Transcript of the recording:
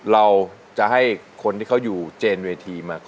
เราจะให้คนที่เขาอยู่เจนเวทีมาก่อน